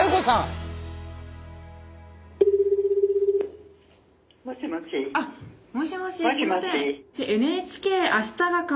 あっもしもしすみません。